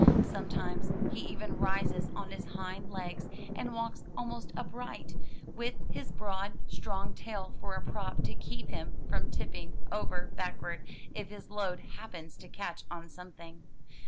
Sometimes he even rises on his hind legs, and walks almost upright, with his broad, strong tail for a prop to keep him from tipping over back ward if his load happens to catch on something.